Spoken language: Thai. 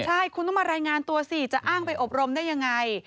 ใช่คุณต้องมารายงานตัวสิจะอ้างไปอบรมได้ยังไง